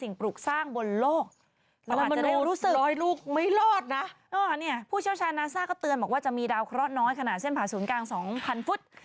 นางคิดแบบว่าไม่ไหวแล้วไปกด